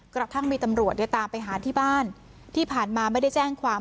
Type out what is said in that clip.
กระทั่งมีตำรวจเนี่ยตามไปหาที่บ้านที่ผ่านมาไม่ได้แจ้งความ